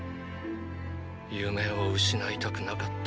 夢を失いたくなかった。